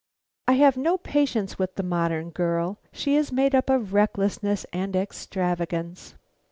I have no patience with the modern girl; she is made up of recklessness and extravagance."